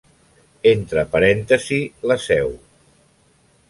Entre parèntesis, la seu.